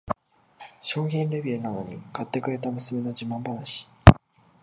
商品レビューなのに買ってくれた娘の自慢話